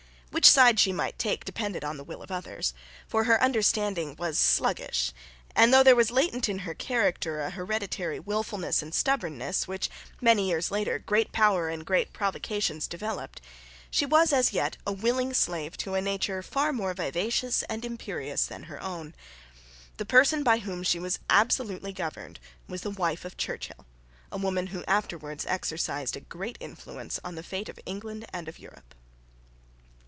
Which side she might take depended on the will of others. For her understanding was sluggish; and, though there was latent in her character a hereditary wilfulness and stubbornness which, many years later, great power and great provocations developed, she was as yet a willing slave to a nature far more vivacious and imperious than her own. The person by whom she was absolutely governed was the wife of Churchill, a woman who afterwards exercised a great influence on the fate of England and of Europe.